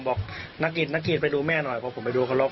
บอกนักกิจนักกิจไปดูแม่หน่อยก็ผมไปดูก็ลง